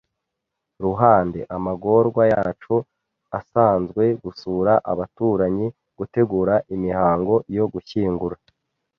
ruhande. Amagorwa yacu asanzwe, gusura abaturanyi, gutegura imihango yo gushyingura,